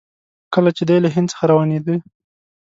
کله چې دی له هند څخه روانېده.